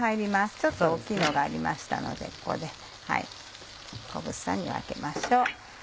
ちょっと大きいのがありましたのでここで小房に分けましょう。